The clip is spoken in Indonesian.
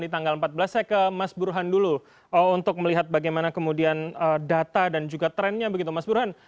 tanggal empat belas saya ke mas burhan dulu untuk melihat bagaimana kemudian data dan juga trennya begitu mas burhan